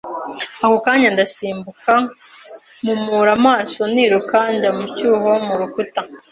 Ako kanya, ndasimbuka, mpumura amaso, niruka njya mu cyuho mu rukuta.